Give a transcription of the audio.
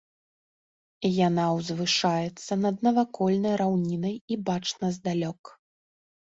Яна ўзвышаецца над навакольнай раўнінай і бачна здалёк.